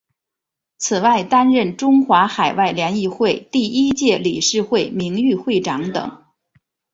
此外担任中华海外联谊会第一届理事会名誉会长等。